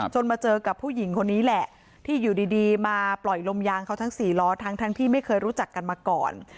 มาเจอกับผู้หญิงคนนี้แหละที่อยู่ดีมาปล่อยลมยางเขาทั้ง๔ล้อทั้งที่ไม่เคยรู้จักกันมาก่อน